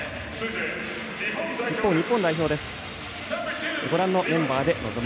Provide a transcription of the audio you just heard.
一方、日本代表です。